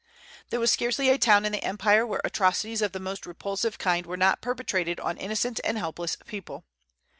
There was scarcely a town in the empire where atrocities of the most repulsive kind were not perpetrated on innocent and helpless people.